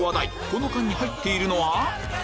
この缶に入っているのは？